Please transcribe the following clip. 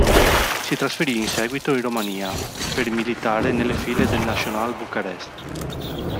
Si trasferì in seguito in Romania, per militare nelle file del Național Bucarest.